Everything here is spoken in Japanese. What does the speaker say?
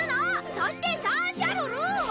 そしてサンシャルルは？